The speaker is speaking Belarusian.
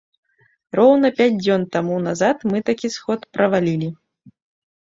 Роўна пяць дзён таму назад мы такі сход правалілі.